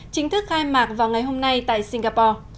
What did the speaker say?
chính thức khai mạc vào ngày hôm nay tại singapore